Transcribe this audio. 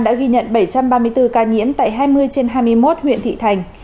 đã ghi nhận bảy trăm ba mươi bốn ca nhiễm tại hai mươi trên hai mươi một huyện thị thành